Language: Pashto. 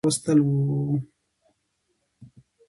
د دوی هدف د عدالت راوستل وو.